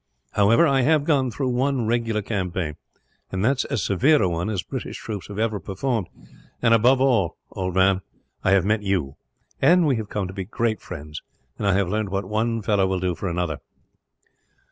However, I have gone through one regular campaign, and that as severe a one as British troops have ever performed; and above all, old man, I have met you, and we have come to be great friends, and I have learned what one fellow will do for another."